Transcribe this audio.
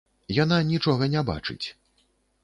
Яна нічога не бачыць.